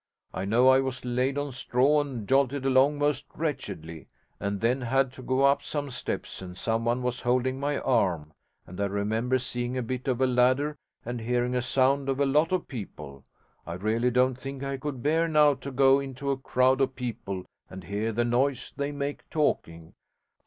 I know I was laid on straw and jolted along most wretchedly, and then had to go up some steps, and someone was holding my arm, and I remember seeing a bit of a ladder and hearing a sound of a lot of people. I really don't think I could bear now to go into a crowd of people and hear the noise they make talking.